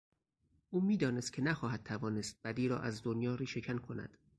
او میدانست که نخواهد توانست بدی را از دنیا ریشهکن کند.